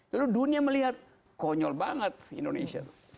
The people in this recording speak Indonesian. lalu dunia melihat konyol banget indonesia